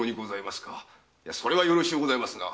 それはよろしゅうございますな。